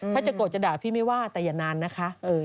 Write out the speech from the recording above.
ถ้าจะโกรธจะด่าพี่ไม่ว่าแต่อย่านานนะคะ